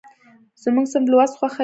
زموږ صنف لوست خوښوي.